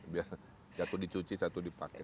biar jaku dicuci satu dipakai